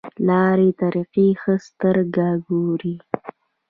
لارې طریقې ښه سترګه ګوري.